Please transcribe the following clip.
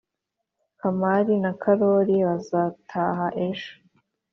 kamari na kalori bazataha ejo